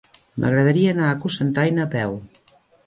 M'agradaria anar a Cocentaina a peu.